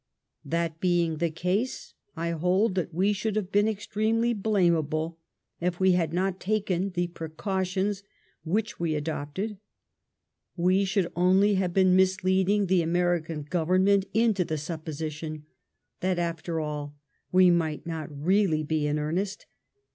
That being the case, I hold that we should have been ex tremely blamable if we had not taken the precautions which we adopted. ... We should only have been misleading the Ameriean Qovemment into the supposition that after all we might not really be in earnest.